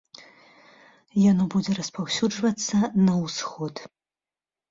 Яно будзе распаўсюджвацца на ўсход.